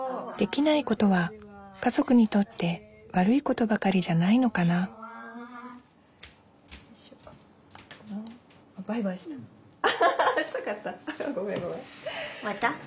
できないことは家族にとって悪いことばかりじゃないのかなバイバイした。